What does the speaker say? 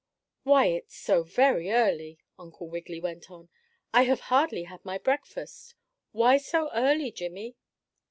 "Why, it's so very early," Uncle Wiggily went on. "I have hardly had my breakfast. Why so early, Jimmie?"